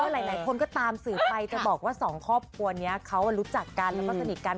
หลายคนก็ตามสื่อไปจะบอกว่าสองครอบครัวนี้เขารู้จักกันแล้วก็สนิทกัน